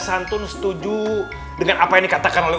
siap tenang siap tenang